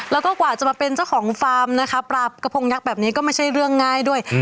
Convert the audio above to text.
แล้วก็กว่าจะมาเป็นเจ้าของฟาร์มนะคะปลากระพงยักษ์แบบนี้ก็ไม่ใช่เรื่องง่ายด้วย